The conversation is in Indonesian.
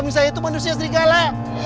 kambing saya itu manusia serigala